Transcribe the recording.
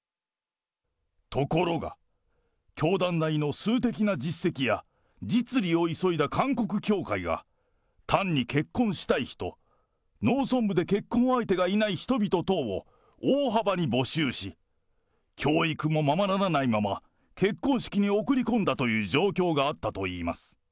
ところが、教団内の数的な実績や実利を急いだ韓国教会が、単に結婚したい人、農村部で結婚相手がいない人々等を大幅に募集し、教育もままならないまま、結婚式に送り込んだという状況があったといいます。